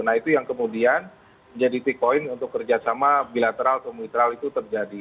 nah itu yang kemudian menjadi bitcoin untuk kerjasama bilateral atau mitral itu terjadi